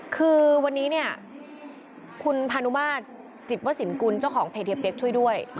คือวันนี้เนี่ยคุณพานุมาตรจิตวสินกุลเจ้าของเพจเฮียเปี๊กช่วยด้วย